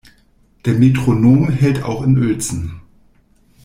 Der Metronom hält auch in Uelzen.